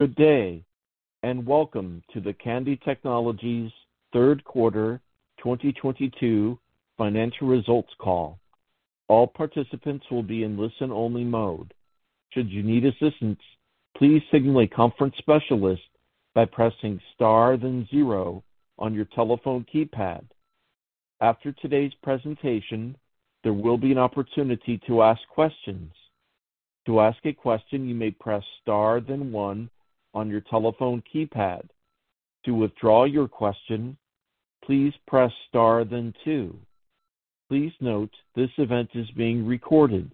Good day, and welcome to the Kandi Technologies third quarter 2022 financial results call. All participants will be in listen-only mode. Should you need assistance, please signal a conference specialist by pressing star then zero on your telephone keypad. After today's presentation, there will be an opportunity to ask questions. To ask a question, you may press star then one on your telephone keypad. To withdraw your question, please press star then two. Please note this event is being recorded.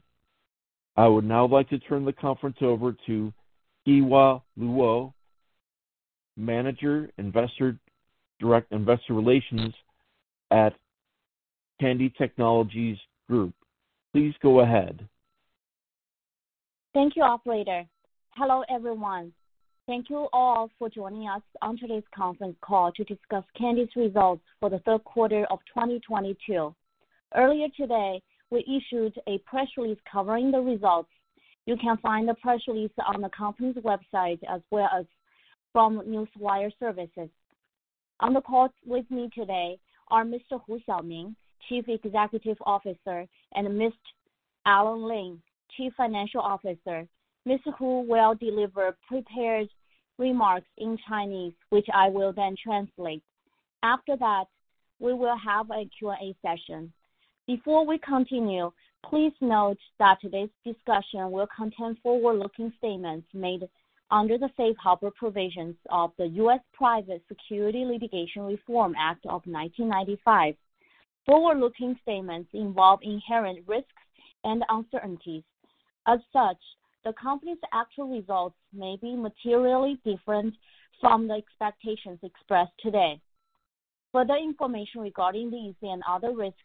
I would now like to turn the conference over to Kewa Luo, Manager, Investor Relations at Kandi Technologies Group. Please go ahead. Thank you, operator. Hello, everyone. Thank you all for joining us on today's conference call to discuss Kandi's results for the third quarter of 2022. Earlier today, we issued a press release covering the results. You can find the press release on the company's website as well as from Newswire Services. On the call with me today are Mr. Xiaoming Hu, Chief Executive Officer, and Mr. Alan Lim, Chief Financial Officer. Mr. Hu will deliver prepared remarks in Chinese, which I will then translate. After that, we will have a Q&A session. Before we continue, please note that today's discussion will contain forward-looking statements made under the safe harbor provisions of the US Private Securities Litigation Reform Act of 1995. Forward-looking statements involve inherent risks and uncertainties. As such, the company's actual results may be materially different from the expectations expressed today. Further information regarding these and other risks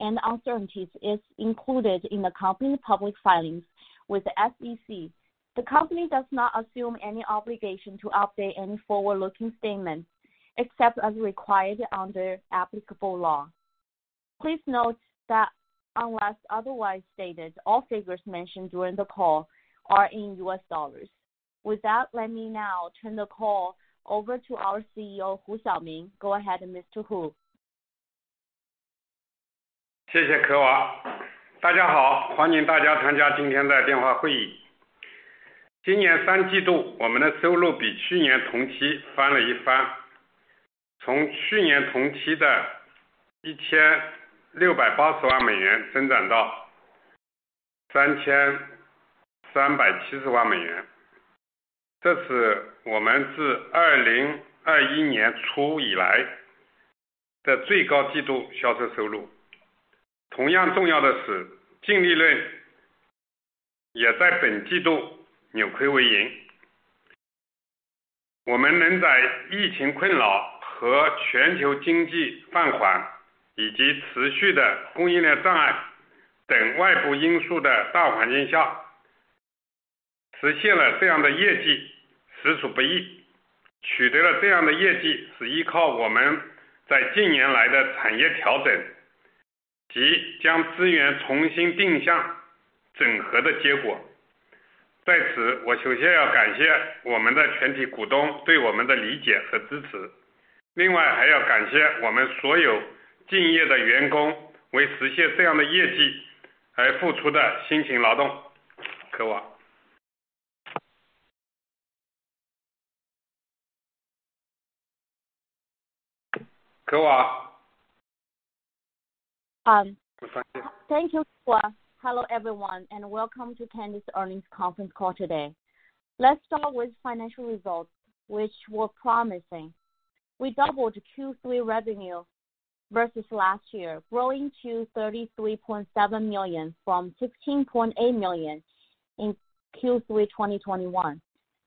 and uncertainties is included in the company's public filings with the SEC. The company does not assume any obligation to update any forward-looking statements except as required under applicable law. Please note that unless otherwise stated, all figures mentioned during the call are in US dollars. With that, let me now turn the call over to our CEO, Xiaoming Hu. Go ahead, Mr. Hu. Thank you, Kewa. Hello, everyone, and welcome to Kandi's Earnings Conference Call today. Let's start with financial results, which were promising. We doubled Q3 revenue versus last year, growing to $33.7 million from $15.8 million in Q3 2021.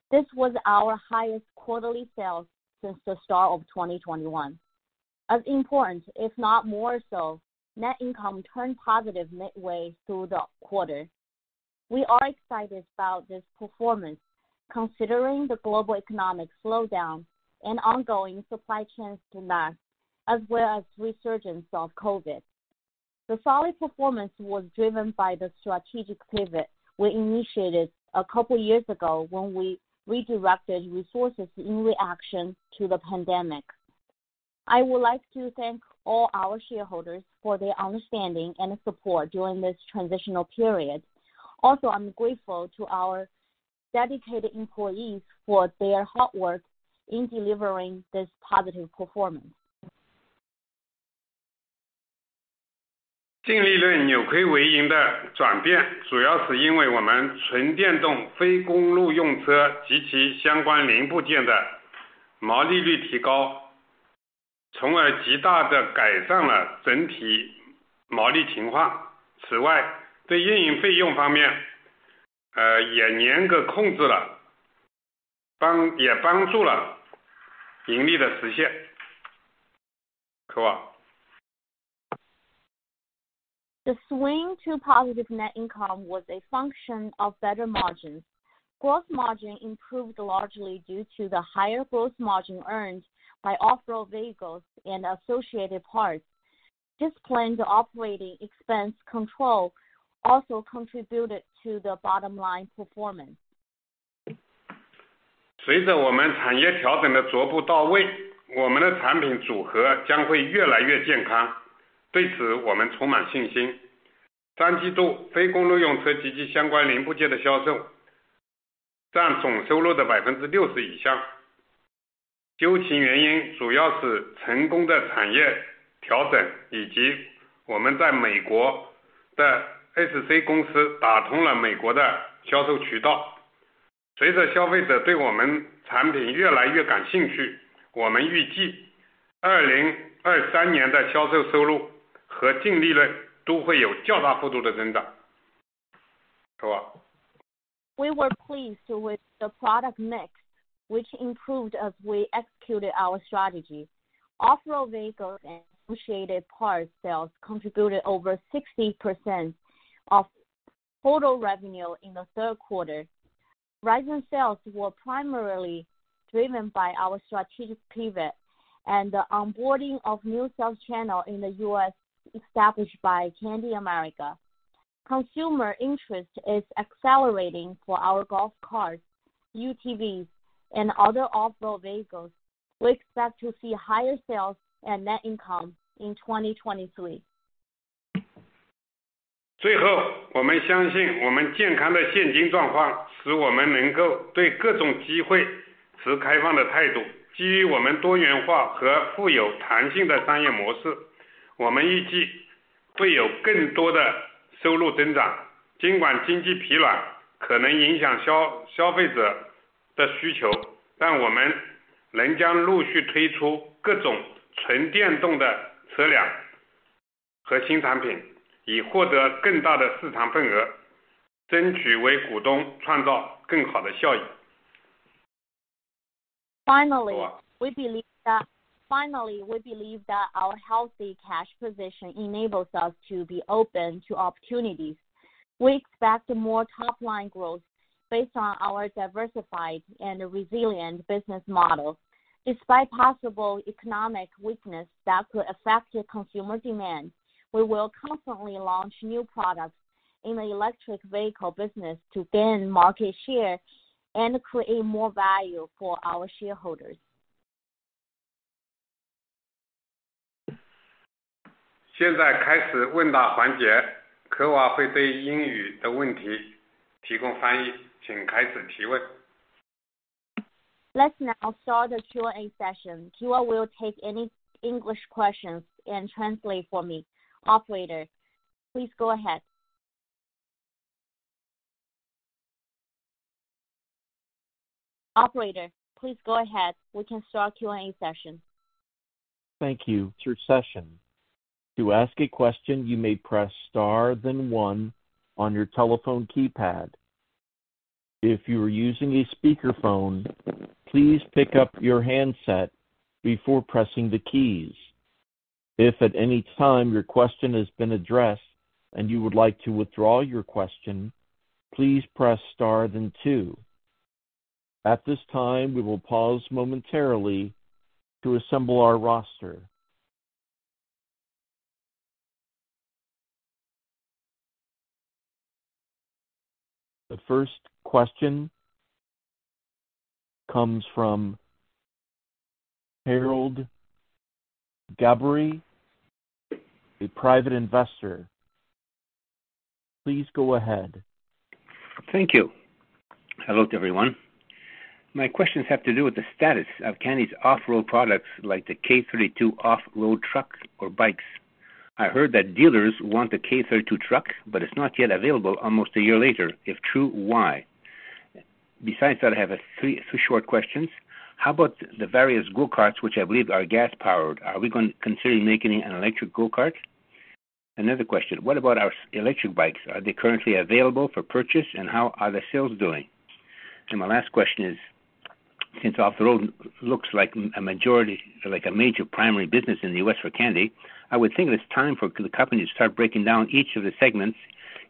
This was our highest quarterly sales since the start of 2021. As important, if not more so, net income turned positive midway through the quarter. We are excited about this performance considering the global economic slowdown and ongoing supply chain demands, as well as resurgence of COVID. The solid performance was driven by the strategic pivot we initiated a couple years ago when we redirected resources in reaction to the pandemic. I would like to thank all our shareholders for their understanding and support during this transitional period. Also, I'm grateful to our dedicated employees for their hard work in delivering this positive performance. The swing to positive net income was a function of better margins. Gross margin improved largely due to the higher gross margin earned by off-road vehicles and associated parts. Disciplined operating expense control also contributed to the bottom line performance. 随着我们产业调整的逐步到位，我们的产品组合将会越来越健康，对此我们充满信心。三季度，非公路用车及其相关零部件的销售占总收入的60%以上。究其原因，主要是成功的产业调整以及我们在美国的SC公司打通了美国的销售渠道。随着消费者对我们产品越来越感兴趣，我们预计2023年的销售收入和净利润都会有较大幅度的增长。科瓦。We were pleased with the product mix, which improved as we executed our strategy. Off-road vehicle and associated parts sales contributed over 60% of total revenue in the third quarter. Rising sales were primarily driven by our strategic pivot and the onboarding of new sales channel in the US established by Kandi America. Consumer interest is accelerating for our golf cars, UTVs and other off-road vehicles. We expect to see higher sales and net income in 2023. 最后，我们相信我们健康的现金状况使我们能够对各种机会持开放的态度。基于我们多元化和富有弹性的商业模式，我们预计会有更多的收入增长。尽管经济疲软可能影响消费者的需求，但我们仍将陆续推出各种纯电动的车辆和新产品，以获得更大的市场份额，争取为股东创造更好的效益。Finally, we believe that our healthy cash position enables us to be open to opportunities. We expect more top line growth based on our diversified and resilient business models. Despite possible economic weakness that could affect consumer demand, we will constantly launch new products in the electric vehicle business to gain market share and create more value for our shareholders. 现在开始问答环节，Kewa会对英语的问题提供翻译。请开始提问。Let's now start the Q&A session. Q&A will take any English questions and translate for me. Operator please go ahead, we can start Q&A session. Thank you. To join this session. To ask a question, you may press star then one on your telephone keypad. If you are using a speakerphone, please pick up your handset before pressing the keys. If at any time your question has been addressed and you would like to withdraw your question, please press star then two. At this time, we will pause momentarily to assemble our roster. The first question comes from Harold Gabou, a private investor. Please go ahead. Thank you. Hello everyone, my questions have to do with the status of Kandi's off-road products like the K32 off-road trucks or bikes. I heard that dealers want the K32 truck, but it's not yet available almost a year later. If true, why? Besides that I have three short questions. How about the various go-karts which I believe are gas powered? Are we going to consider making an electric go-kart? Another question, what about our electric bikes? Are they currently available for purchase? How are the sales doing? My last question is, since off-road looks like a majority, like a major primary business in the U.S. for Kandi, I would think it's time for the company to start breaking down each of the segments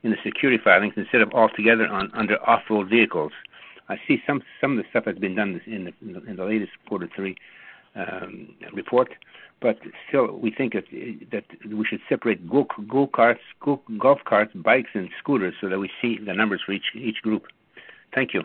in the SEC filings instead of all together under off-road vehicles. I see some of the stuff has been done in the latest quarter three report, but still, we think that we should separate go-karts, golf carts, bikes and scooters so that we see the numbers for each group. Thank you.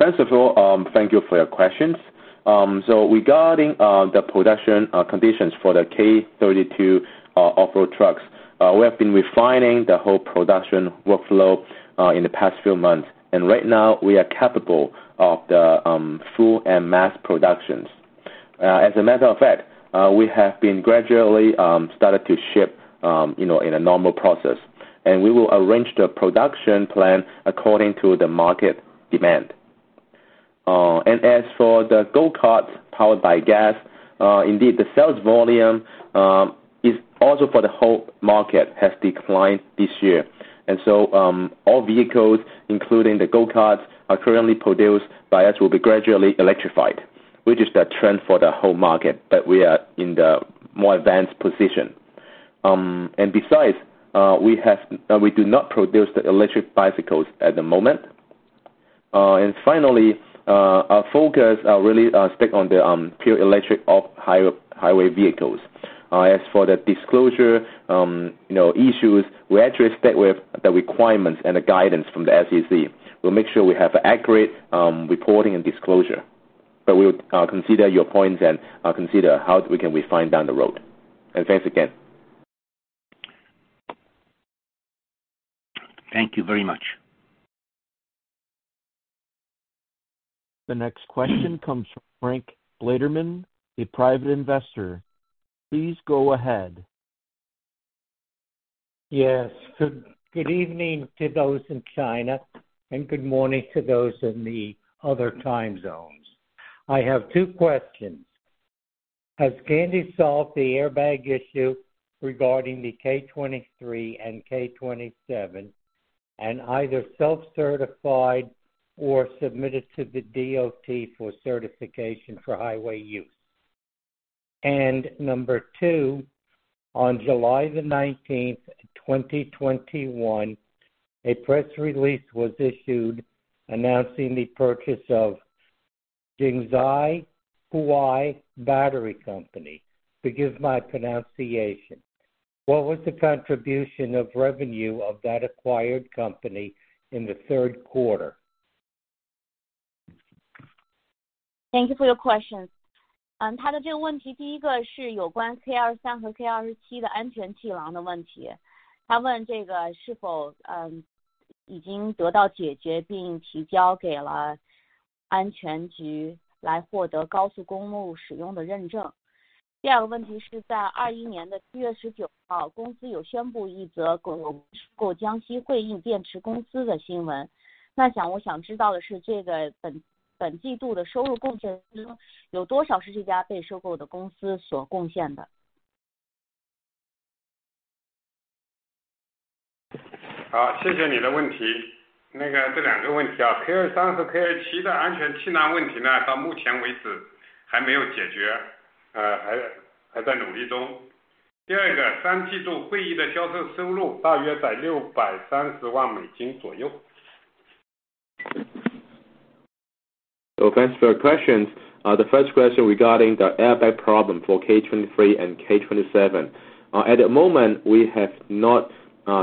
First of all, thank you for your questions. Regarding the production conditions for the K32 off-road trucks, we have been refining the whole production workflow in the past few months, and right now we are capable of the full and mass productions. As a matter of fact, we have been gradually started to ship, you know, in a normal process. We will arrange the production plan according to the market demand. As for the go-kart powered by gas, indeed the sales volume is also for the whole market has declined this year. All vehicles, including the go-karts are currently produced by us will be gradually electrified, which is the trend for the whole market that we are in the more advanced position. Besides, we do not produce the electric bicycles at the moment. Finally, our focus are really stick on the pure electric off-highway vehicles. As for the disclosure, you know, issues, we actually stick with the requirements and the guidance from the SEC. We'll make sure we have accurate reporting and disclosure, but we'll consider your points and consider how we can refine down the road. Thanks again. Thank you very much. The next question comes from Frank Blatterman, a private investor. Please go ahead. Yes, good evening to those in China, and good morning to those in the other time zones. I have two questions. Has Kandi solved the airbag issue regarding the K23 and K27, and either self-certified or submitted to the DOT for certification for highway use? Number two, on July the 19th, 2021, a press release was issued announcing the purchase of Jiangxi Huiyi Battery Company. Forgive my pronunciation. What was the contribution of revenue of that acquired company in the third quarter? Thank you for your questions。他的这个问题，第一个是有关K23和K27的安全气囊的问题，他问这个是否已经得到解决，并提交给了安全局来获得高速公路使用的认证。第二个问题是在2021年的7月19号，公司有宣布一则收购江西汇亿电池公司的新闻。那我想知道的是这个本季度的收入贡献中有多少是这家被收购的公司所贡献的。Thanks for your questions. The first question regarding the airbag problem for K23 and K27. At the moment we have not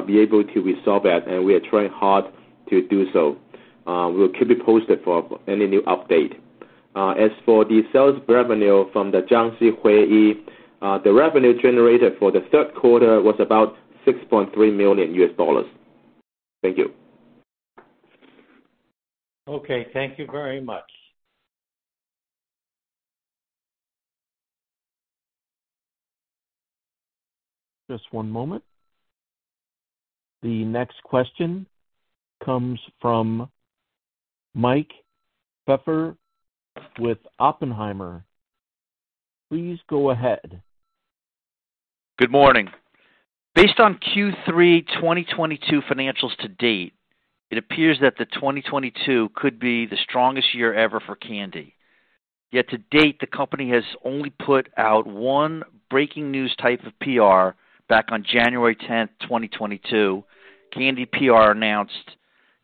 been able to resolve that and we are trying hard to do so. We'll keep you posted for any new update. As for the sales revenue from the Jiangxi Huiyi, the revenue generated for the third quarter was about $6.3 million. Thank you. Okay, thank you very much. Just one moment. The next question comes from Mike Pfeffer with Oppenheimer. Please go ahead. Good morning. Based on Q3 2022 financials to date, it appears that 2022 could be the strongest year ever for Kandi. Yet to date, the company has only put out one breaking news type of PR back on January 10th, 2022. Kandi PR announced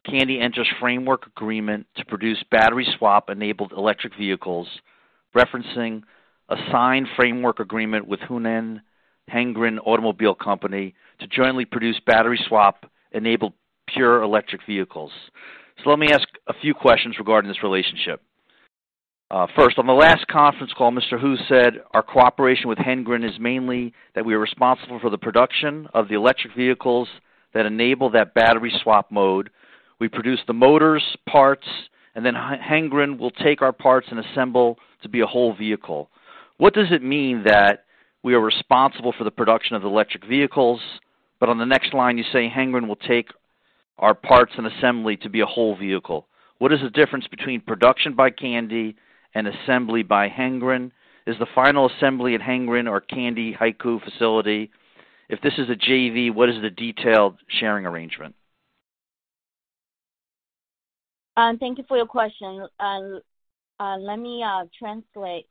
Kandi enters framework agreement to produce battery swap-enabled electric vehicles, referencing a signed framework agreement with Hunan Hengrun Automobile Co., Ltd. to jointly produce battery swap-enabled pure electric vehicles. Let me ask a few questions regarding this relationship. First, on the last conference call, Mr. Hu said, "Our cooperation with Hengrun is mainly that we are responsible for the production of the electric vehicles that enable that battery swap mode. We produce the motors, parts, and then Hengrun will take our parts and assemble to be a whole vehicle." What does it mean that we are responsible for the production of the electric vehicles, but on the next line you say Hengrun will take our parts and assembly to be a whole vehicle? What is the difference between production by Kandi and assembly by Hengrun? Is the final assembly at Hengrun or Kandi Haikou facility? If this is a JV, what is the detailed sharing arrangement? Thank you for your question. Let me translate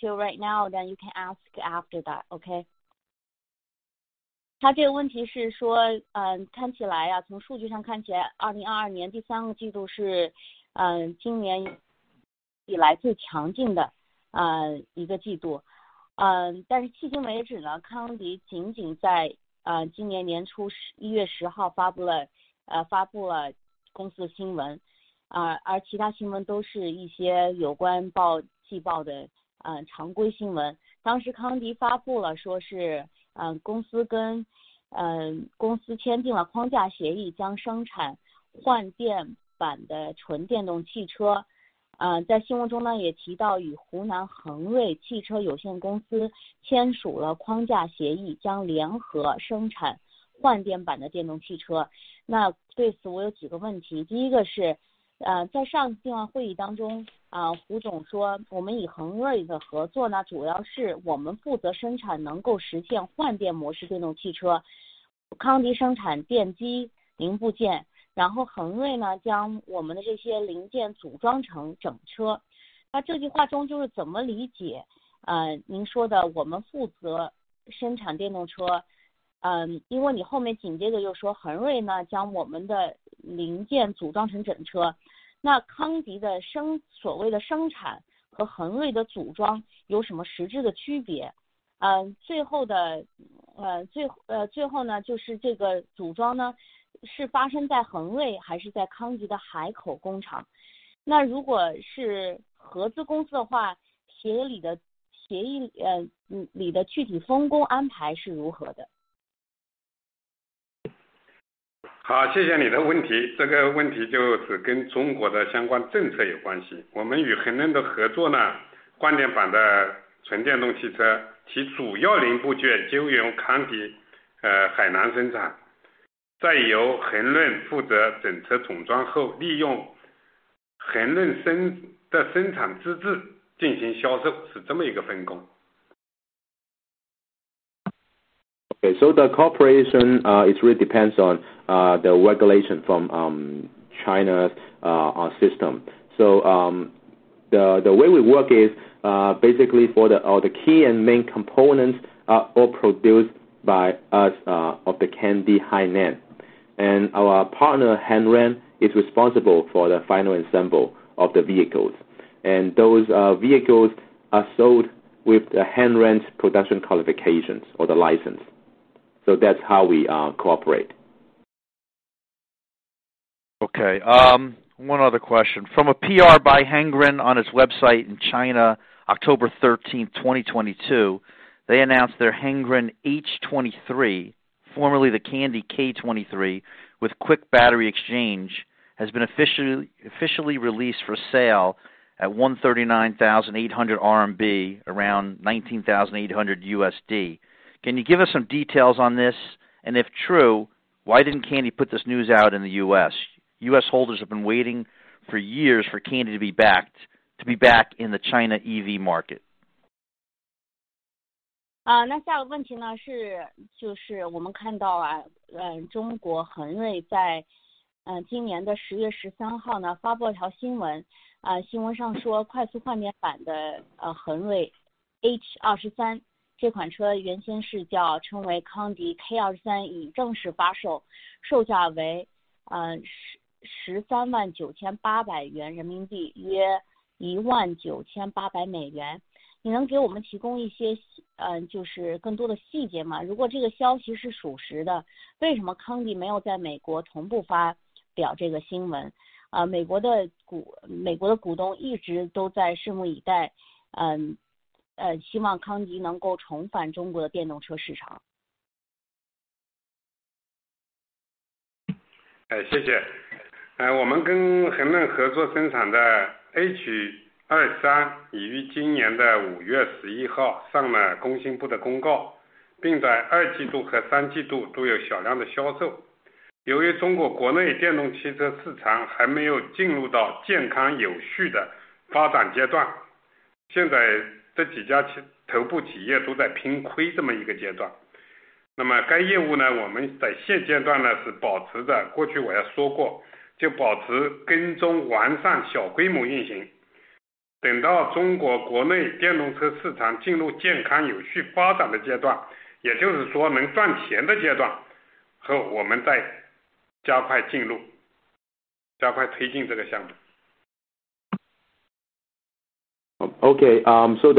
to you right now then you can ask after that, okay? Okay. The cooperation it really depends on the regulation from China's system. The way we work is basically for all the key and main components are all produced by us of the Kandi Hainan, and our partner Hengrun is responsible for the final assembly of the vehicles, and those vehicles are sold with the Hengrun's production qualifications or the license. That's how we cooperate. Okay. One other question. From a PR by Hengrun on its website in China, October 13th, 2022, they announced their Hengrun H23, formerly the Kandi K23, with quick battery exchange, has been officially released for sale at 139,800 RMB, around $19,800. Can you give us some details on this? And if true, why didn't Kandi put this news out in the US? U.S. holders have been waiting for years for Kandi to be back in the China EV market. The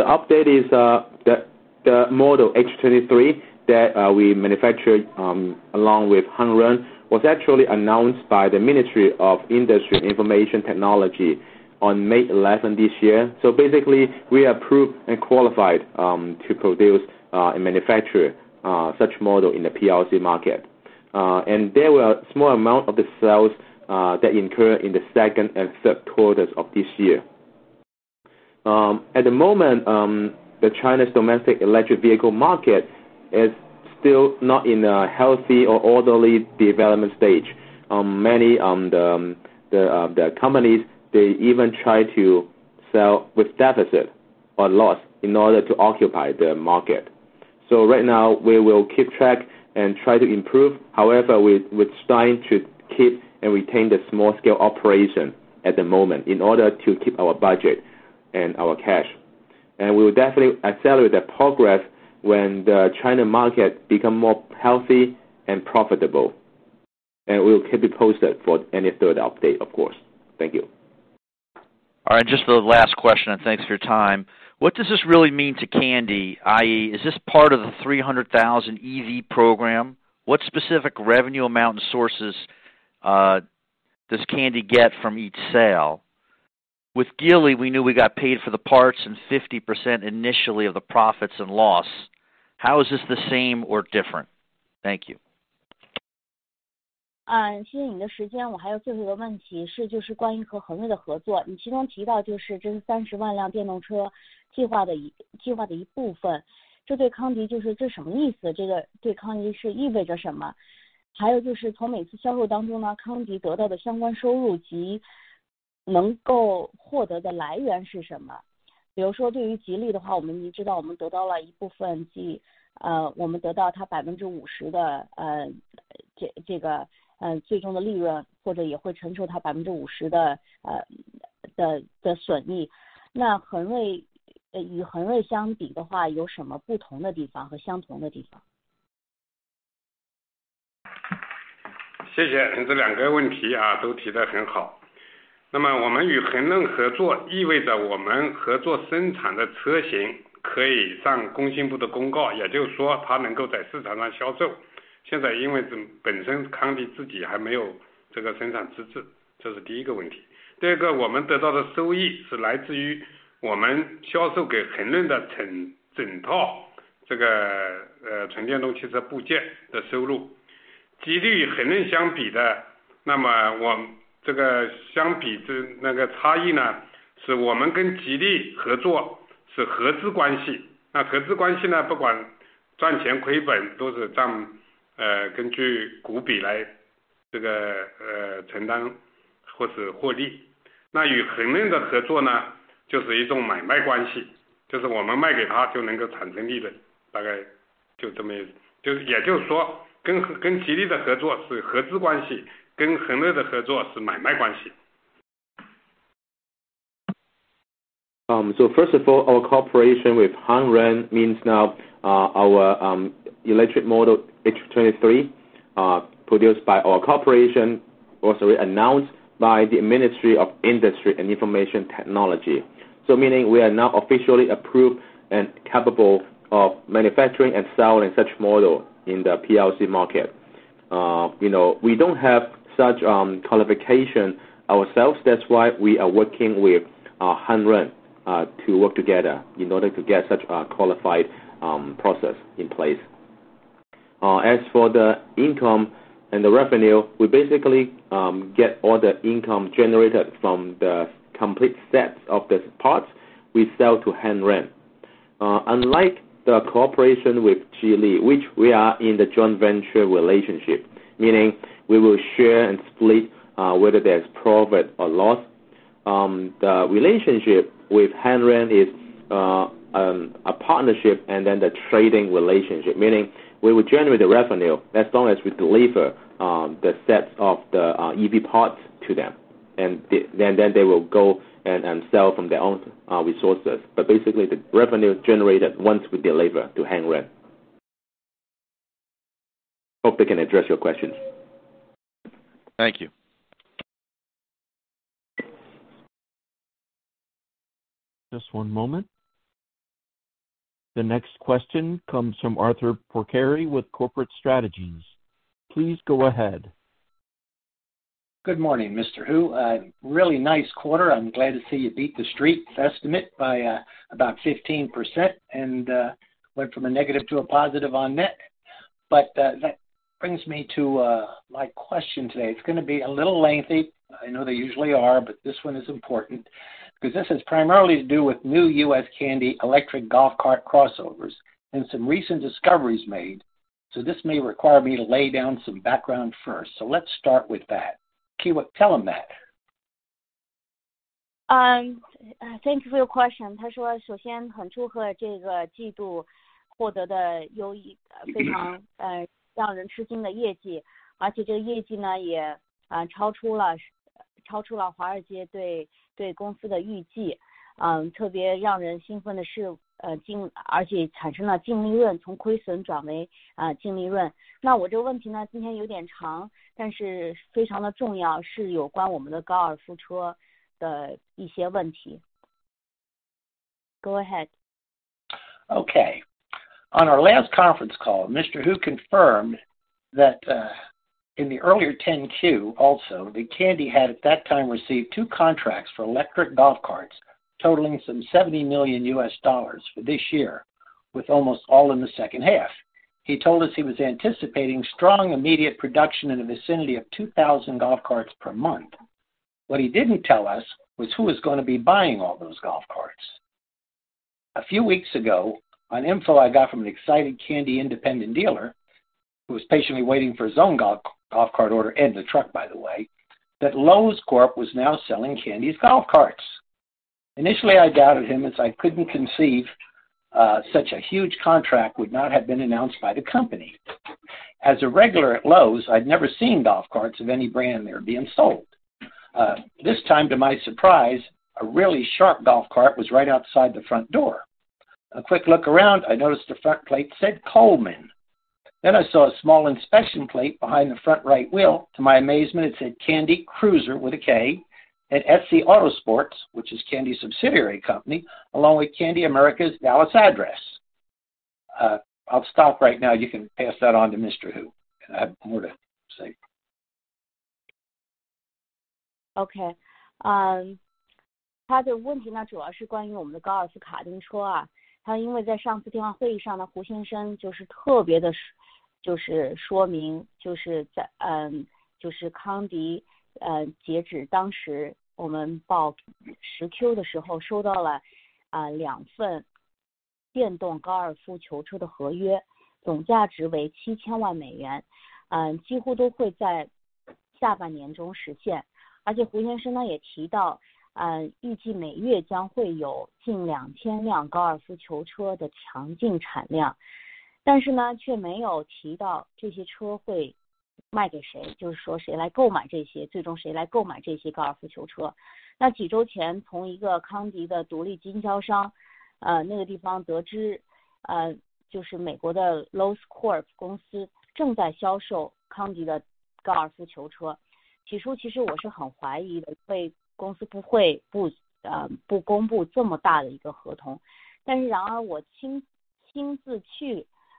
update is, the model H 23 that we manufacture along with Hengrun was actually announced by the Ministry of Industry and Information Technology on May eleventh this year. Basically, we are approved and qualified to produce and manufacture such model in the PRC market. There were small amount of the sales that incur in the second and third quarters of this year. At the moment, the China's domestic electric vehicle market is still not in a healthy or orderly development stage. Many companies, they even try to sell with deficit or loss in order to occupy the market. Right now, we will keep track and try to improve. However, we're trying to keep and retain the small scale operation at the moment in order to keep our budget and our cash. We will definitely accelerate the progress when the China market become more healthy and profitable. We will keep you posted for any further update, of course. Thank you. All right. Just the last question and thanks for your time. What does this really mean to Kandi? i.e., is this part of the 300,000 EV program? What specific revenue amount and sources does Kandi get from each sale? With Geely, we knew we got paid for the parts and 50% initially of the profit and loss. How is this the same or different? Thank you. First of all, our cooperation with Hengrun means now our electric model H23 produced by our cooperation, also announced by the Ministry of Industry and Information Technology. Meaning we are now officially approved and capable of manufacturing and selling such model in the PRC market. You know, we don't have such qualification ourselves. That's why we are working with Hengrun to work together in order to get such a qualified process in place. As for the income and the revenue, we basically get all the income generated from the complete sets of the parts we sell to Hengrun. Unlike the cooperation with Geely, which we are in the joint venture relationship, meaning we will share and split whether there's profit or loss. The relationship with Hengrun is a partnership and then the trading relationship, meaning we will generate the revenue as long as we deliver the sets of the EV parts to them, and then they will go and sell from their own resources. Basically, the revenue generated once we deliver to Hengrun. Hope that can address your questions. Thank you. Just one moment. The next question comes from Arthur Porcari with Corporate Strategies. Please go ahead. Good morning, Mr. Hu. Really nice quarter. I'm glad to see you beat the street's estimate by about 15%, and went from a negative to a positive on net. That brings me to my question today. It's gonna be a little lengthy. I know they usually are, but this one is important. Because this is primarily to do with new U.S. Kandi electric golf cart crossovers and some recent discoveries made. This may require me to lay down some background first. Let's start with that. Kewa, tell him that. 他说首先很祝贺这个季度获得的优异非常让人吃惊的业绩，而且这个业绩呢，也超出了，超出了华尔街对，对公司的预计。嗯，特别让人兴奋的是，净——而且产生了净利润，从亏损转为净利润。那我这个问题呢，今天有点长，但是非常的重要，是有关我们的高尔夫车的一些问题。Go ahead. Okay. On our last conference call, Mr. Hu confirmed that in the earlier 10-Q also, that Kandi had at that time received two contracts for electric golf carts totaling some $70 million for this year, with almost all in the second half. He told us he was anticipating strong immediate production in the vicinity of 2,000 golf carts per month. What he didn't tell us was who was going to be buying all those golf carts. A few weeks ago, on info I got from an excited Kandi independent dealer who was patiently waiting for his own golf cart order and a truck, by the way, that Lowe's Corp was now selling Kandi's golf carts. Initially I doubted him as I couldn't conceive such a huge contract would not have been announced by the company. As a regular at Lowe's, I'd never seen golf carts of any brand there being sold. This time, to my surprise, a really sharp golf cart was right outside the front door. A quick look around, I noticed the front plate said Coleman. Then I saw a small inspection plate behind the front right wheel. To my amazement, it said Kandi Kruiser with a K and SC Autosports, which is Kandi's subsidiary company, along with Kandi America's Dallas address. I'll stop right now. You can pass that on to Mr. Hu. I have more to say.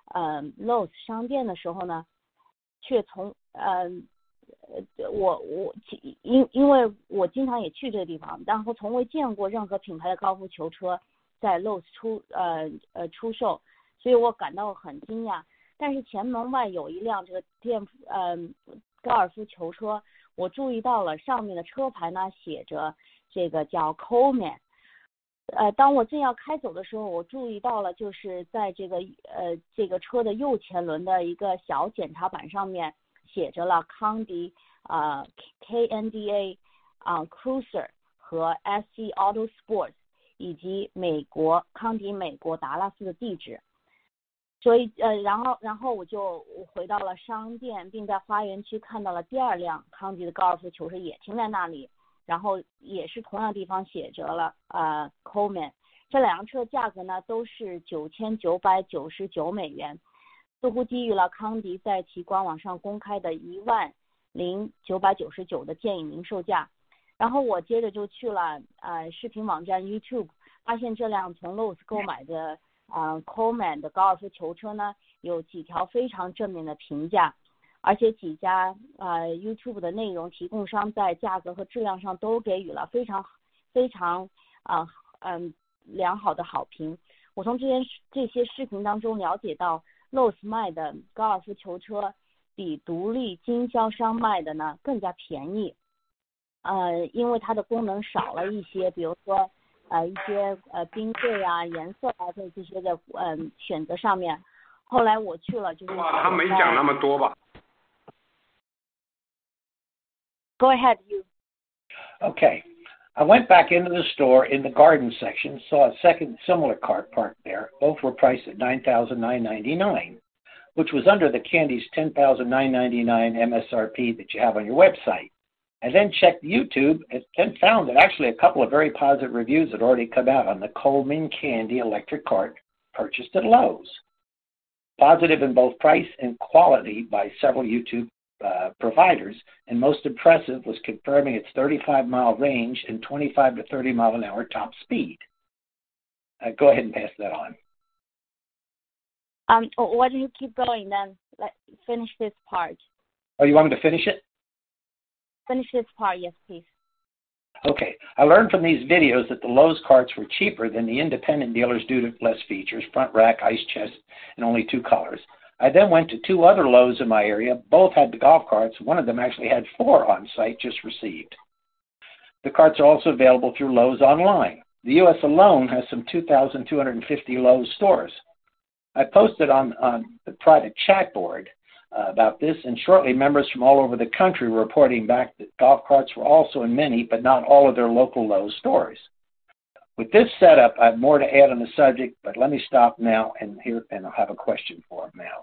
我经常也去这个地方，但是从未见过任何品牌的高尔夫球车在Lowe's出售，所以我感到很惊讶。但是前门外有一辆电动高尔夫球车，我注意到了上面的车牌写着Coleman。当我正要开走的时候，我注意到了，就是在这个车的右前轮的一个小检查板上面写着了康迪，K-A-N-D-I，Kruiser和SC 哇，他没讲那么多吧。Go ahead, you. Okay. I went back into the store in the garden section, saw a second similar cart parked there, both were priced at $9,999, which was under the Kandi's $10,999 MSRP that you have on your website. I then checked YouTube and found that actually a couple of very positive reviews had already come out on the Coleman Kandi electric cart purchased at Lowe's. Positive in both price and quality by several YouTube providers, and most impressive was confirming its 35-mile range and 25-30 mile an hour top speed. Go ahead and pass that on. Why don't you keep going, then let's finish this part. Oh, you want me to finish it? Finish this part, yes please. Okay. I learned from these videos that the Lowe's carts were cheaper than the independent dealers due to less features: front rack, ice chest and only two colors. I then went to two other Lowe's in my area. Both had the golf carts. One of them actually had four on site just received. The carts are also available through Lowe's online. The U.S. alone has some 2,250 Lowe's stores. I posted on the private chat board about this, and shortly members from all over the country were reporting back that golf carts were also in many but not all of their local Lowe's stores. With this setup, I have more to add on the subject, but let me stop now and here, and I'll have a question for him now.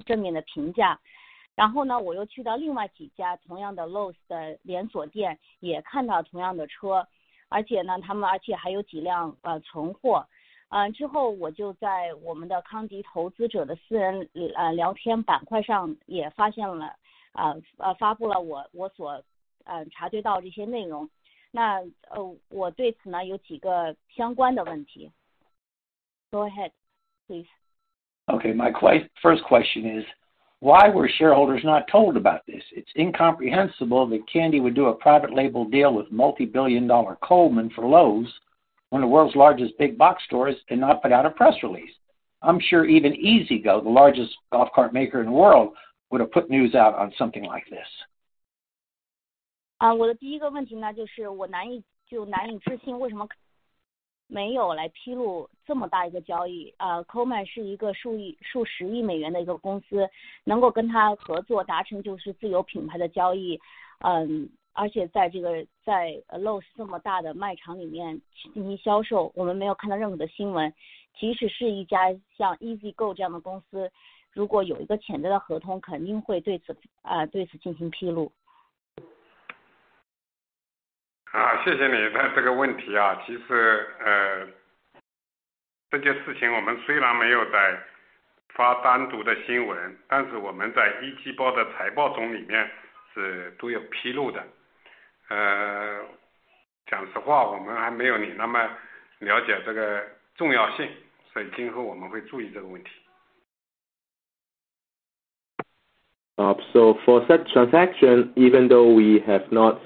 然后他就是这辆车发现在这家Lowe's商店里面的价格呢，比公司在网站上的价格要便宜，在商店里面是$9,999，但是官网上呢，是一万零$10,999。而且在视频网站上面呢，也看到了很多相关的一些视频以及很正面的评价。然后呢，我又去到另外几家同样的Lowe's的连锁店，也看到同样的车，而且他们还有几辆存货。之后我就在我们的康迪投资者的私人聊天板块上也发布了我所察觉到的这些内容。那，我对此呢，有几个相关的问题。Go ahead, please. Okay. My first question is, why were shareholders not told about this? It's incomprehensible that Kandi would do a private label deal with multibillion-dollar Coleman for Lowe's, one of the world's largest big box stores, and not put out a press release. I'm sure even E-Z-GO, the largest golf cart maker in the world, would have put news out on something like this. 我的第一个问题呢，就是我难以置信，为什么没有来披露这么大一个交易。Coleman是一个数亿、数十亿美元的一个公司，能够跟他合作达成就是自有品牌的交易，而且在Lowe's这么大的卖场里面去进行销售，我们没有看到任何的新闻。即使是一家像E-Z-GO这样的公司，如果有一个潜在的合同，肯定会对此进行披露。谢谢你。在这个问题上，其实这件事情我们虽然没有在发单独的新闻，但是我们在E-Z-GO的财报中里面是都有披露的。讲实话，我们还没有你那么了解这个重要性，所以今后我们会注意这个问题。For such transaction, even though we have not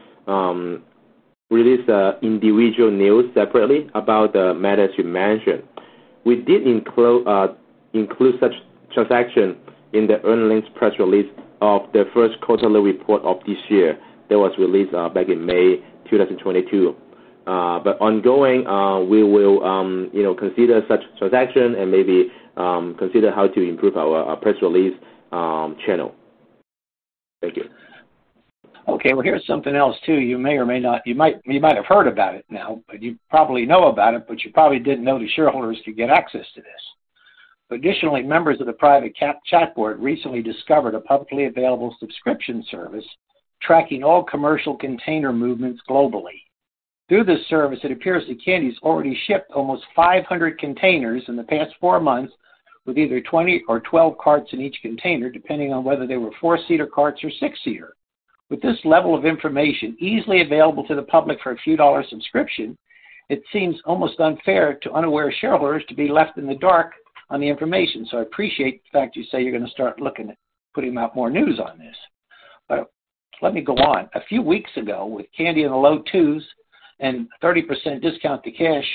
released individual news separately about the matters you mentioned, we did include such transaction in the earnings press release of the first quarterly report of this year. That was released back in May 2022. Ongoing, we will, you know, consider such transaction and maybe consider how to improve our press release channel. Thank you. Okay, well, here's something else too. You might have heard about it now, but you probably know about it, but you probably didn't know the shareholders could get access to this. Additionally, members of the private chat board recently discovered a publicly available subscription service tracking all commercial container movements globally. Through this service, it appears that Kandi's already shipped almost 500 containers in the past 4 months with either 20 or 12 carts in each container, depending on whether they were 4-seater carts or 6-seater. With this level of information easily available to the public for a few-dollar subscription, it seems almost unfair to unaware shareholders to be left in the dark on the information. I appreciate the fact you say you're gonna start looking at putting out more news on this. Let me go on. A few weeks ago, with Kandi in the low twos and 30% discount to cash,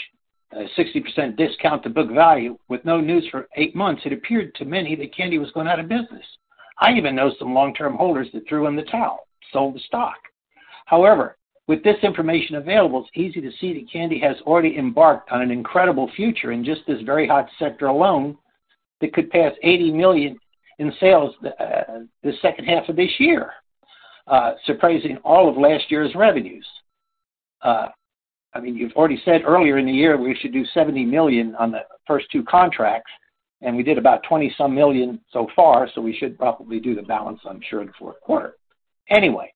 60% discount to book value with no news for 8 months, it appeared to many that Kandi was going out of business. I even know some long-term holders that threw in the towel, sold the stock. However, with this information available, it's easy to see that Kandi has already embarked on an incredible future in just this very hot sector alone that could pass $80 million in sales, the second half of this year, surpassing all of last year's revenues. I mean, you've already said earlier in the year we should do $70 million on the first two contracts, and we did about $20 million so far, so we should probably do the balance, I'm sure, in the fourth quarter. Anyway,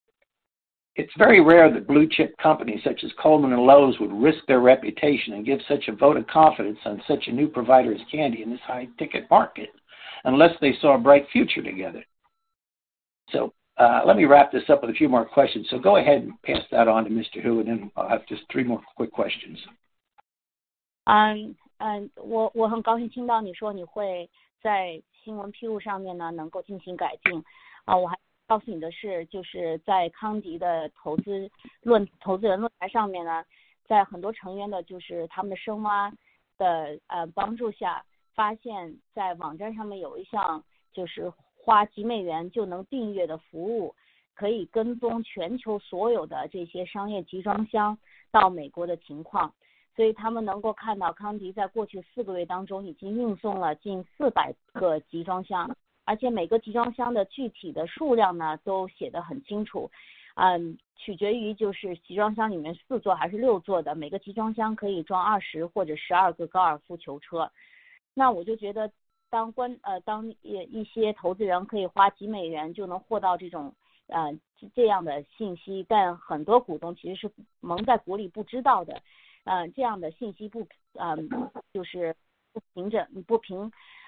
it's very rare that blue chip companies such as Coleman and Lowe's would risk their reputation and give such a vote of confidence on such a new provider as Kandi in this high-ticket market unless they saw a bright future together. Let me wrap this up with a few more questions. Go ahead and pass that on to Mr. Hu, and then I'll have just three more quick questions. 我很高兴听到你说你会在新闻披露上面能够进行改进。我还告诉你的是，就是在康迪的投资人论坛上面，在很多成员的深挖帮助下，发现在网站上面有一项就是花几美元就能订阅的服务，可以跟踪全球所有的这些商业集装箱到美国的情况，所以他们能够看到康迪在过去四个月当中已经运送了近四百个集装箱，而且每个集装箱的具体的数量都写得很清楚。取决于集装箱里面四座还是六座的，每个集装箱可以装二十或者十二个高尔夫球车。那我就觉得当一些投资人可以花几美元就能获到这样的信息，但很多股东其实是蒙在鼓里不知道的，这样的信息是很不公平的。而且呢，在几周前，康迪的股价降到了只有$2，相当于现金折价30%，账面价值的60%。在许多人看来，公司又没有新闻，就在这么低的股价上面，会认为公司可能都快倒闭了。我知道一些股东都可能想套现，卖了康迪的股票，这个是很让人理解的，因为在近十个月内都没有任何信息。可是呢，事实上其实康迪已经踏入了一个非常热门的领域，而且开启了令人难以置信的未来，跟像Lowe's或者是Coleman这样的很大的蓝筹公司，他们在美国甚至全球有很好的名誉。那请公开出来吗？Go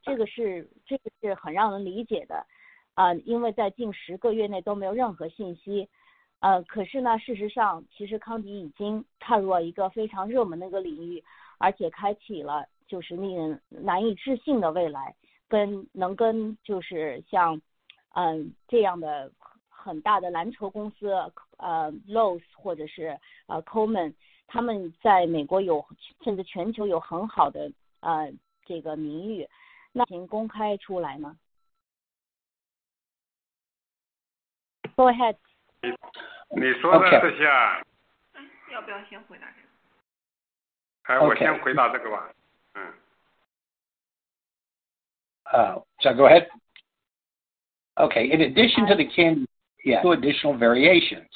ahead。你说的这些啊。要不要先回答这个。我先回答这个吧。Oh, go ahead. Okay, in addition to the Kandi, two additional variations,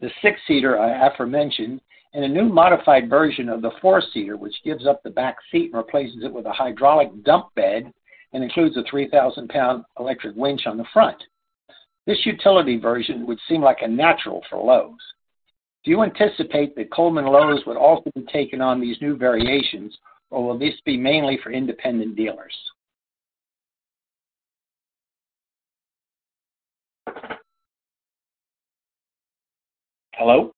the six-seater aforementioned and a new modified version of the four-seater which gives up the back seat and replaces it with a hydraulic dump bed and includes a 3,000-pound electric winch on the front. This utility version would seem like a natural for Lowe's. Do you anticipate that Coleman Lowe's would also be taking on these new variations, or will these be mainly for independent dealers? Hello?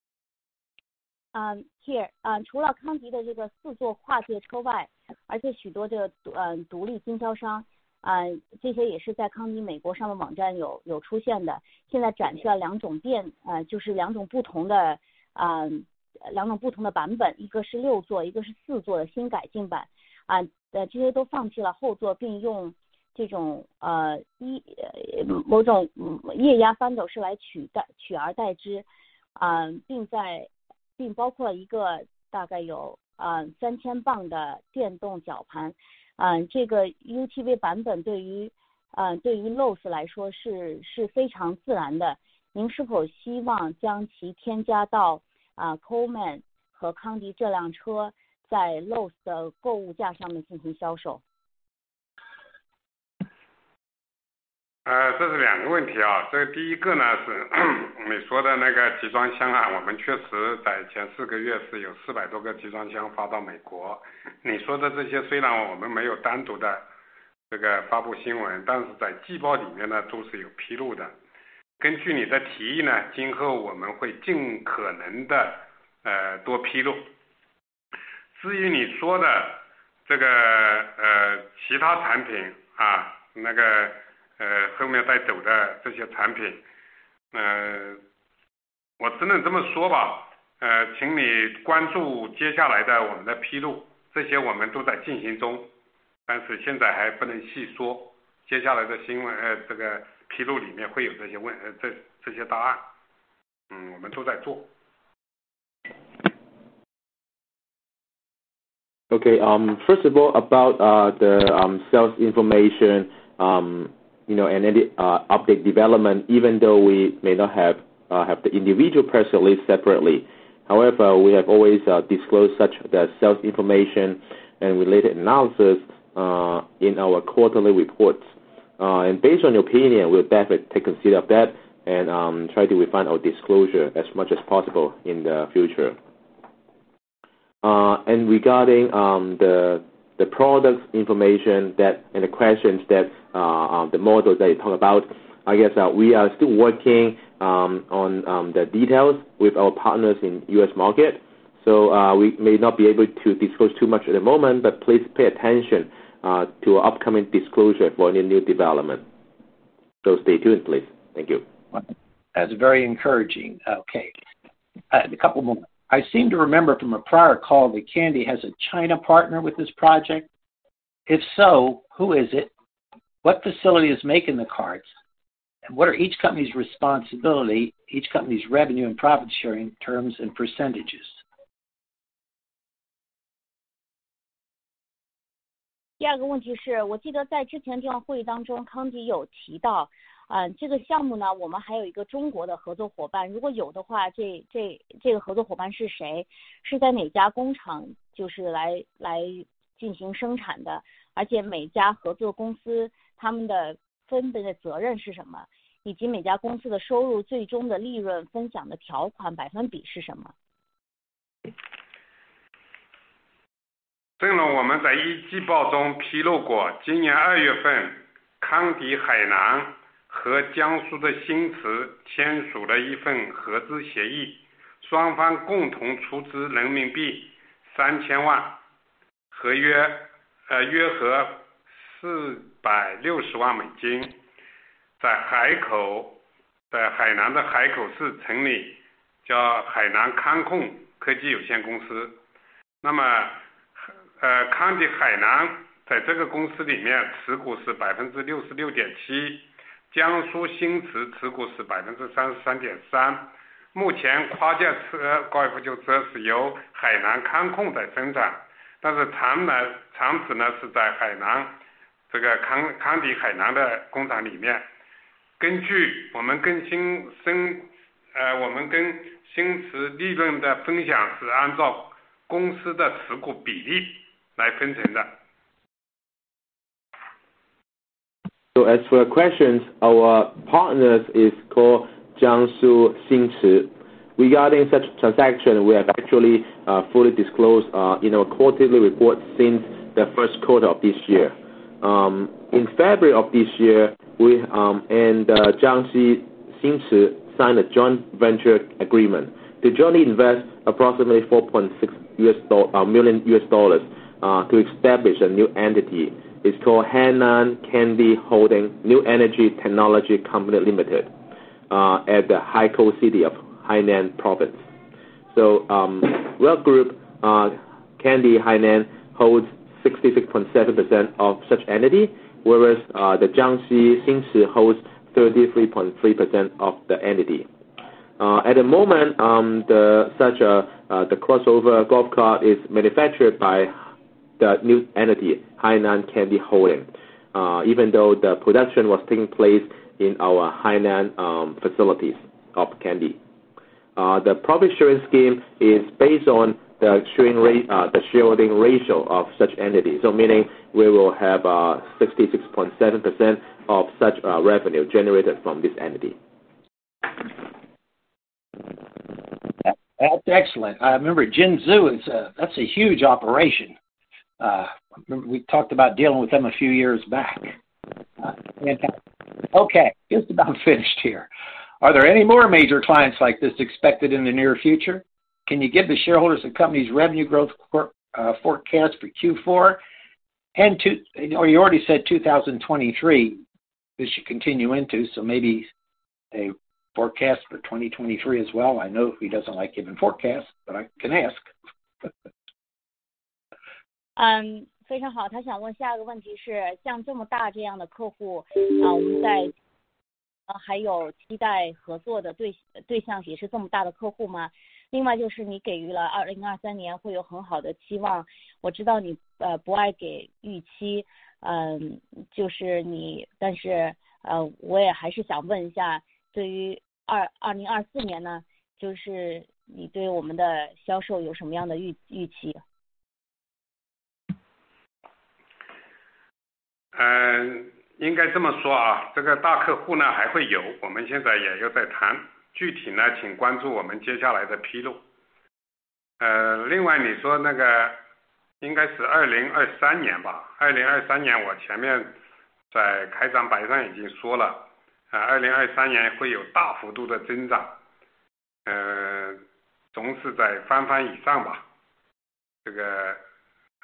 这是两个问题啊。这个第一个呢，是你说的那个集装箱啊，我们确实在前四个月是有四百多个集装箱发到美国。你说的这些虽然我们没有单独的这个发布新闻，但是在季报里面呢，都是有披露的。根据你的提议呢，今后我们会尽可能地多披露。至于你说的这个，其他产品啊，那个，后面再走的这些产品，嗯，我只能这么说吧。请你关注接下来的我们的披露，这些我们都在进行中，但是现在还不能细说，接下来的新闻，这个披露里面会有这些问，这些答案。嗯，我们都在做。First of all about the sales information, you know, and any update development, even though we may not have the individual press release separately. However, we have always disclosed such the sales information and related analysis in our quarterly reports. Based on your opinion, we'll definitely take note of that and try to refine our disclosure as much as possible in the future. Regarding the product information and the questions about the models that you talk about, I guess we are still working on the details with our partners in US market, so we may not be able to disclose too much at the moment, but please pay attention to upcoming disclosure for any new development. Stay tuned please. Thank you. That's very encouraging. Okay, a couple more. I seem to remember from a prior call that Kandi has a China partner with this project. If so, who is it? What facility is making the carts? And what are each company's responsibility, each company's revenue and profit sharing terms and percentages? As for the questions, our partner is called Jiangsu Xingchi. Regarding such transaction, we have actually fully disclosed you know quarterly reports since the first quarter of this year. In February of this year, we and Jiangsu Xingchi signed a joint venture agreement to jointly invest approximately $4.6 million to establish a new entity is called Hainan Kandi Holding New Energy Technology Company Limited at the Haikou City of Hainan province. Our group, Kandi Hainan, holds 66.7% of such entity, whereas the Jiangsu Xingchi holds 33.3% of the entity. At the moment, the crossover golf cart is manufactured by the new entity, Hainan Kandi Holding, even though the production was taking place in our Hainan facilities of Kandi. The profit sharing scheme is based on the sharing rate, the sharing ratio of such entity. Meaning we will have 66.7% of such revenue generated from this entity. That's excellent. I remember Jinzhou. That's a huge operation. I remember we talked about dealing with them a few years back. Fantastic. Okay, just about finished here. Are there any more major clients like this expected in the near future? Can you give the shareholders the company's revenue growth forecast for Q4 and to 2023. You know, you already said 2023, this should continue into, so maybe a forecast for 2023 as well. I know he doesn't like giving forecasts, but I can ask.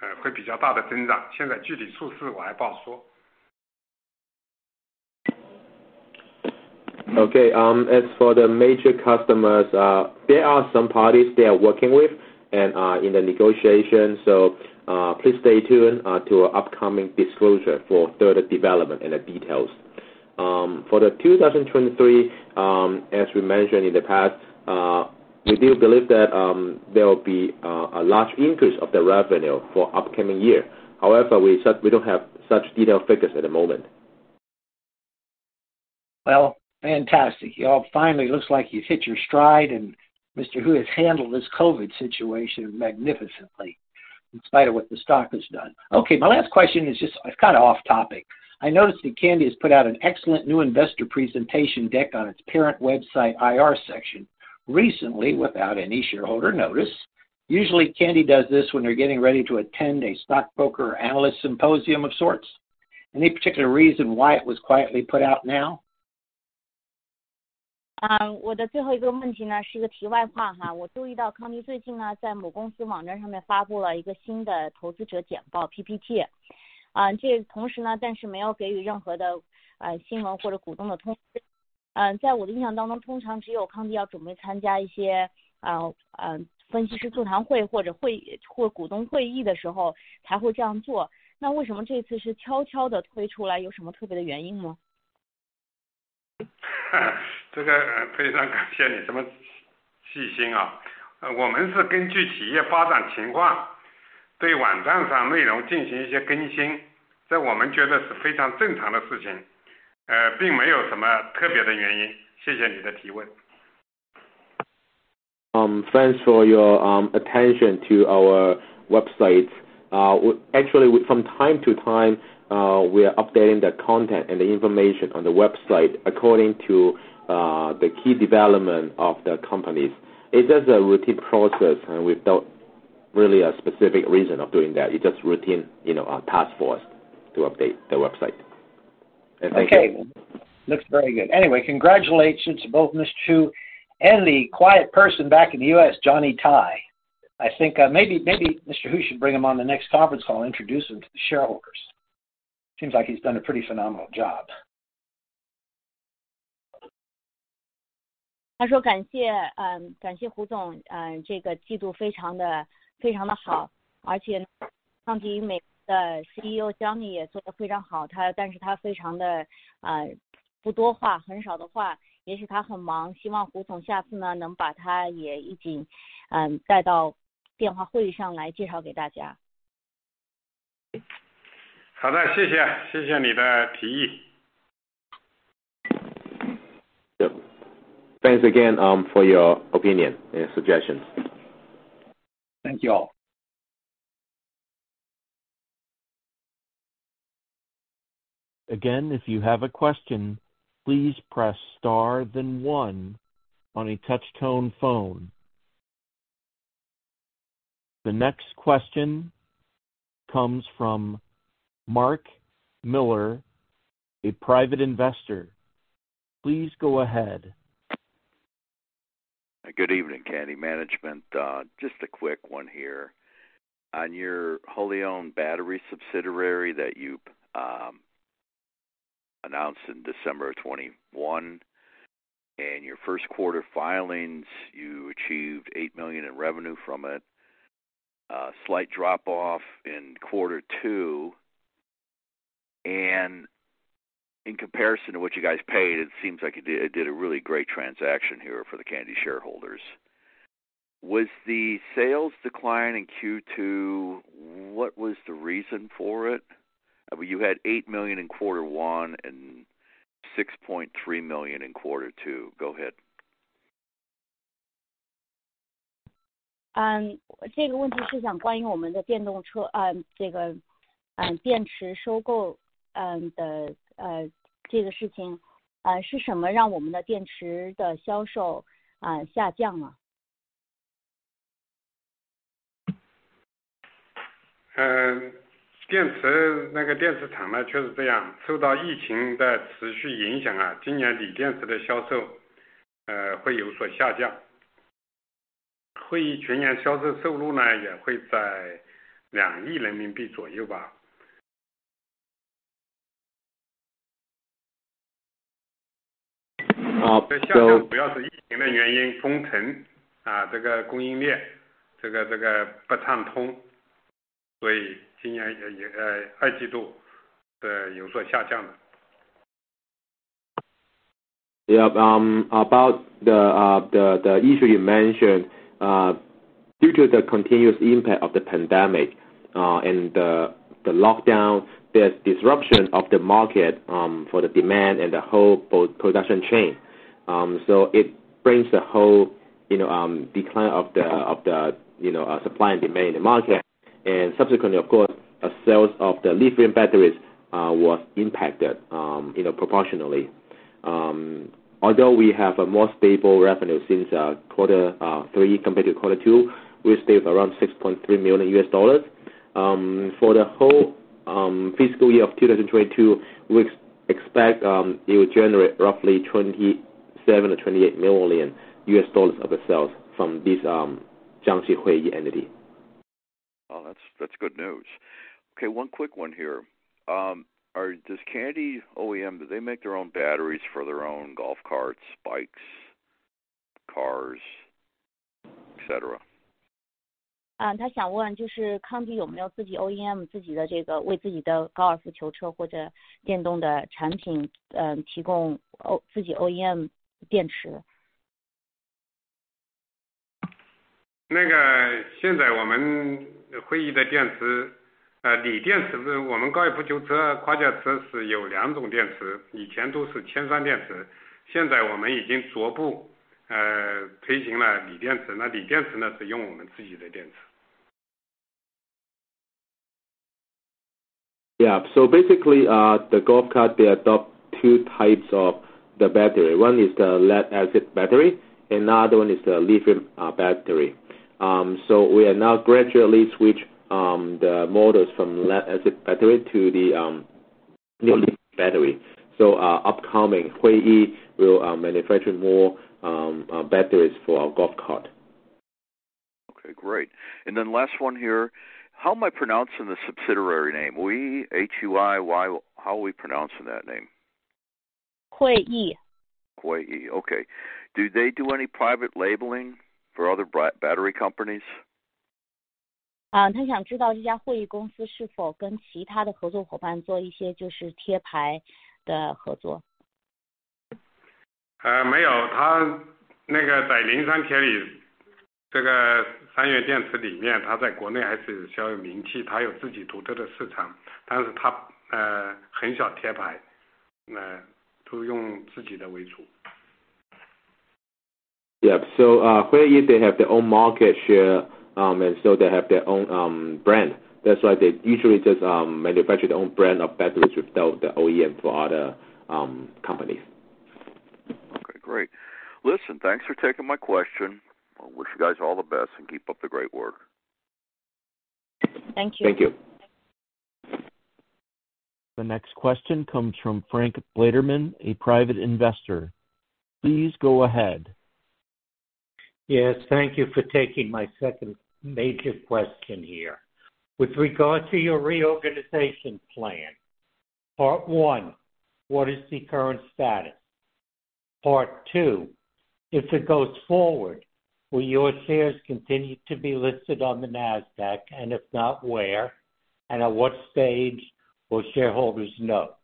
Okay. As for the major customers, there are some parties they are working with and in the negotiation. Please stay tuned to our upcoming disclosure for further development and the details. For the 2023, as we mentioned in the past, we do believe that there will be a large increase of the revenue for upcoming year. However, we said we don't have such detailed figures at the moment. Well, fantastic. Y'all finally looks like you've hit your stride, and Mr. Hu has handled this COVID situation magnificently, in spite of what the stock has done. Okay, my last question is just, it's kinda off topic. I noticed that Kandi has put out an excellent new investor presentation deck on its parent website IR section recently without any shareholder notice. Usually Kandi does this when they're getting ready to attend a stockbroker or analyst symposium of sorts. Any particular reason why it was quietly put out now? Thanks for your attention to our website. Actually from time to time, we are updating the content and the information on the website according to the key development of the companies. It's just a routine process, and without really a specific reason of doing that. It's just routine, you know, a task for us to update the website. Thank you. Okay. Looks very good. Anyway, congratulations to both Mr. Hu and the quiet person back in the US, Johnny Tai, I think, maybe Mr. Hu should bring him on the next conference call, introduce him to the shareholders. Seems like he's done a pretty phenomenal job. 感谢胡总，这个季度非常的好，而且康迪美国的CEO Johnny也做得非常好，但是他非常的不多话，很少的话，也许他很忙，希望胡总下次能把他也一起带到电话会议上来介绍给大家。好的，谢谢，谢谢你的提议。Thanks again for your opinion and suggestions. Thank you all. Again, if you have a question, please press star then one on a touchtone phone. The next question comes from Mark Miller, a private investor. Please go ahead. Good evening, Kandi management. Just a quick one here. On your wholly owned battery subsidiary that you announced in December of 2021, in your first quarter filings, you achieved $8 million in revenue from it. Slight drop-off in quarter two. In comparison to what you guys paid, it seems like you did a really great transaction here for the Kandi shareholders. Was the sales decline in Q2, what was the reason for it? Well, you had $8 million in quarter one and $6.3 million in quarter two. Go ahead. 这个问题是讲关于我们的电动车的电池收购的事情，是什么让我们的电池的销售下降了。电池厂确实这样，受到疫情的持续影响，今年锂电池的销售会有所下降。全年销售收入也会在两亿人民币左右。OK. 下降主要是疫情的原因，封城，这个供应链不畅通，所以今年二季度也有所下降的。Yeah. About the issue you mentioned, due to the continuous impact of the pandemic, and the lockdown, there's disruption of the market for the demand and the whole production chain. So it brings the whole, you know, decline of the supply and demand in the market. Subsequently, of course, sales of the lithium batteries was impacted, you know, proportionally. Although we have a more stable revenue since quarter three compared to quarter two, we stayed around $6.3 million. For the whole fiscal year of 2022, we expect it will generate roughly $27 million-$28 million of sales from this Jiangxi Huiyi entity. Oh, that's good news. Okay, one quick one here. Does Kandi OEM, do they make their own batteries for their own golf carts, bikes, cars, et cetera? 他想问就是康迪有没有自己OEM自己的这个，为自己的高尔夫球车或者电动的产品，嗯，提供自己OEM电池。现在我们会议的电池，锂电池是我们高尔夫球车、跨界车是有两种电池，以前都是铅酸电池，现在我们已经逐步推行了锂电池，那锂电池呢，是用我们自己的电池。Yeah. Basically, the golf cart, they adopt two types of the battery. One is the lead-acid battery, and the other one is the lithium battery. We are now gradually switch the models from lead-acid battery to the lithium battery. Upcoming Huiyi will manufacture more batteries for our golf cart. Okay, great. Last one here. How am I pronouncing the subsidiary name? Huiyi, H-U-I-Y-I. How are we pronouncing that name? Huiyi. Huiyi. Okay. Do they do any private labeling for other battery companies? 他想知道这家汇亿公司是否跟其他的合作伙伴做一些贴牌的合作。没有，他那个在宁山千里这个三元电池里面，他在国内还是比较有名气，他有自己独特的市场，但是他很少贴牌，都是用自己的为主。Yeah. Huiyi, they have their own market share, and so they have their own brand. That's why they usually just manufacture their own brand of batteries without the OEM to other companies. Okay, great. Listen, thanks for taking my question. I wish you guys all the best, and keep up the great work. Thank you. The next question comes from Frank Blatterman, a private investor. Please go ahead. Yes, thank you for taking my second major question here. With regard to your reorganization plan, part one. What is the current status? Part two. If it goes forward, will your shares continue to be listed on the Nasdaq? And if not, where? And at what stage will shareholders know?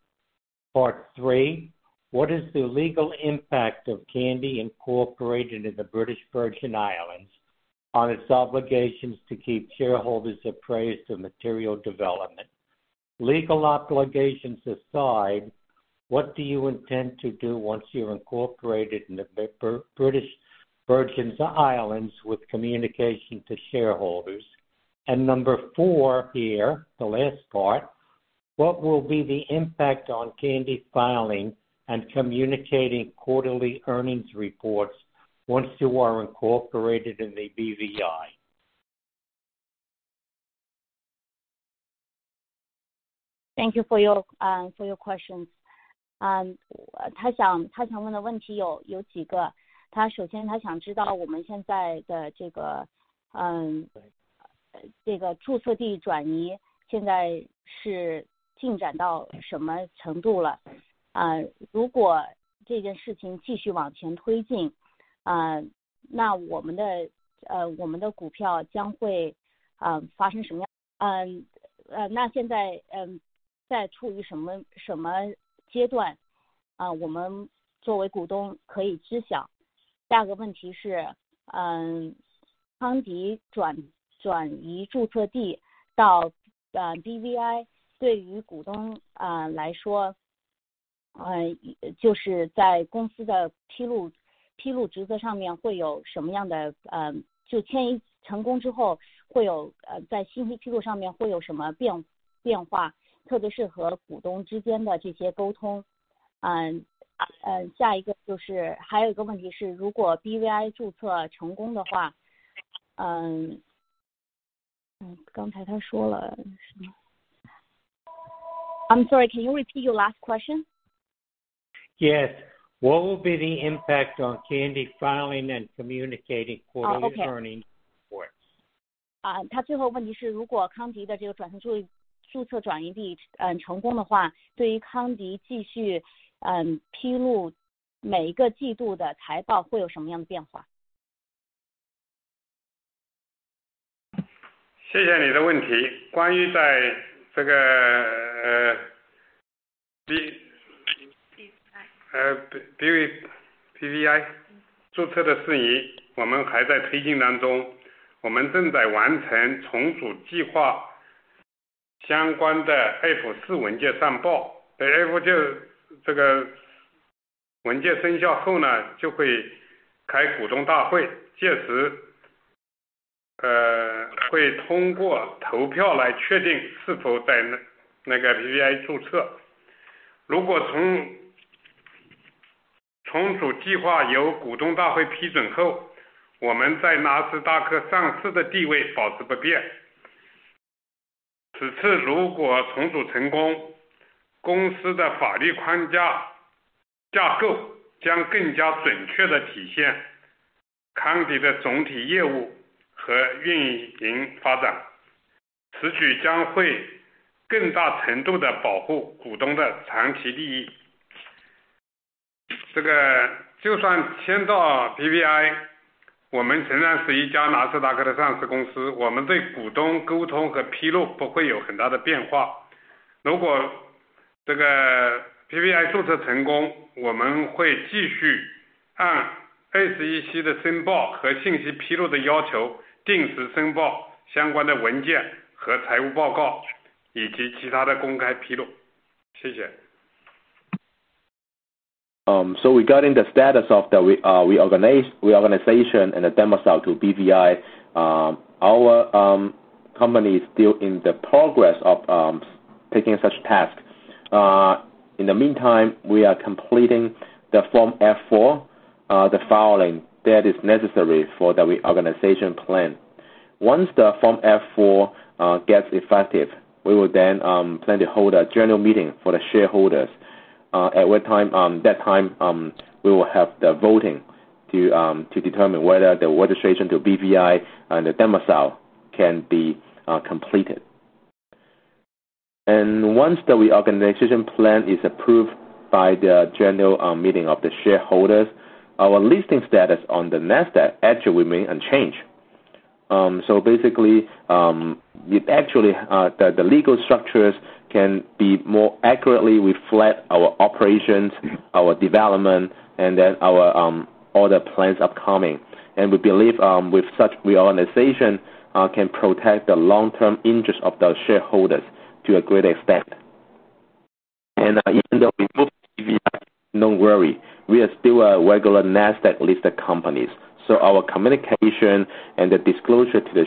Part three. What is the legal impact of Kandi incorporated in the British Virgin Islands on its obligations to keep shareholders apprised of material development? Legal obligations aside, what do you intend to do once you're incorporated in the British Virgin Islands with communication to shareholders? And number four here, the last part. What will be the impact on Kandi filing and communicating quarterly earnings reports once you are incorporated in the BVI? 他首先他想知道我们现在的这个注册地转移现在是进展到什么程度了，啊，如果这件事情继续往前推进，啊，那我们的股票将会发生什么样…… 那现在处于什么阶段，我们作为股东可以知晓。第二个问题是，康迪转移注册地到BVI，对于股东来说，就是在公司的披露职责上面会有什么样的变化，迁移成功之后会有，在信息披露上面会有什么变化，特别是和股东之间的这些沟通。下一个问题是如果BVI注册成功的话，I'm sorry, can you repeat your last question? Yes. What will be the impact on Kandi filing and communicating? Oh, okay. Quarterly earnings reports? 他最后问题是如果康迪的这个转型注册转移地成功的话，对于康迪继续披露每一个季度的财报会有什么样的变化。Regarding the status of the reorganization and the domiciliation to BVI, our company is still in the process of taking such task. In the meantime, we are completing the Form F4, the filing that is necessary for the reorganization plan. Once the Form F4 gets effective, we will then plan to hold a general meeting for the shareholders, at that time, we will have the voting to determine whether the registration to BVI and the domiciliation can be completed. Once the reorganization plan is approved by the general meeting of the shareholders, our listing status on the Nasdaq actually remain unchanged. Basically, the legal structures can more accurately reflect our operations, our development, and then our other plans upcoming. We believe with such reorganization can protect the long-term interest of the shareholders to a great extent. Even though we move to BVI, no worry, we are still a regular Nasdaq-listed company, so our communication and the disclosure to the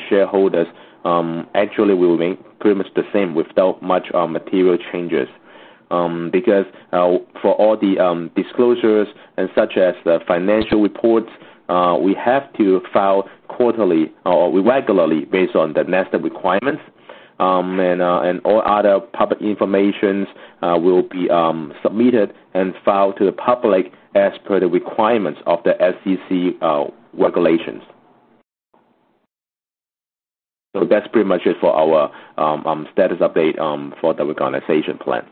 shareholders actually will remain pretty much the same without much material changes. Because for all the disclosures and such as the financial reports, we have to file quarterly or regularly based on the Nasdaq requirements, and all other public information will be submitted and filed to the public as per the requirements of the SEC regulations. That's pretty much it for our status update for the reorganization plan.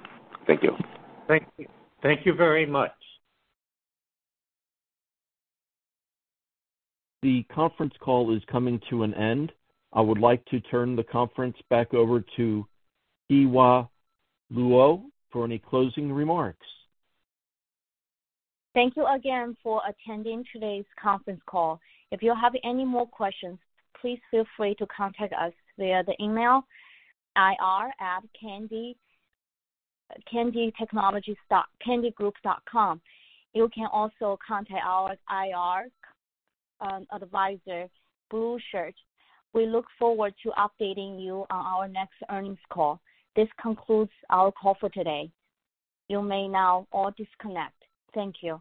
Thank you. Thank you. Thank you very much. The conference call is coming to an end. I would like to turn the conference back over to Kewa Luo for any closing remarks. Thank you again for attending today's conference call. If you have any more questions, please feel free to contact us via the email ir@kandigroup.com. You can also contact our IR advisor, Blueshirt Group. We look forward to updating you on our next earnings call. This concludes our call for today. You may now all disconnect. Thank you.